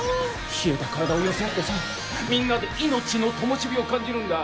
冷えた体を寄せ合ってさみんなで命のともし火を感じるんだ